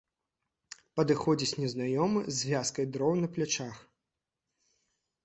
Падыходзіць незнаёмы з вязкай дроў на плячах.